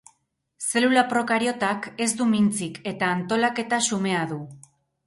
Zelula prokariotak ez du mintzik eta antolaketa xumea du.